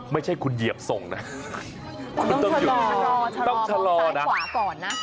ไม่ใช่คุณเหยียบส่งนะคุณต้องชะลอต้องชะลอต้องชะลอต้องซ้ายขวาก่อนนะ